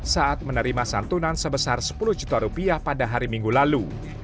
saat menerima santunan sebesar sepuluh juta rupiah pada hari minggu lalu